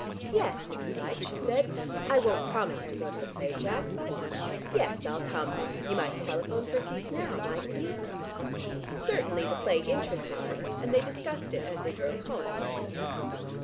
"Yes, if you like," she said. "I won't promise to go to the play, Jack, but yes I'll come. You might telephone for seats now, mightn't you?" Certainly the play interested her, and they discussed it as they drove home.